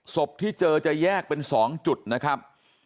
ศพที่เจอจะแยกเป็น๒จุดนะครับ